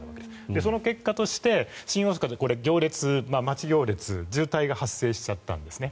その結果として新大阪で待ち行列、渋滞が発生しちゃったんですね。